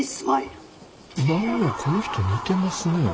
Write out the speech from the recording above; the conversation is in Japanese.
何やこの人似てますね。